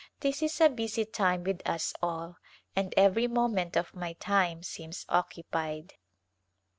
This is a busy time with us all, and every moment of my time seems occupied.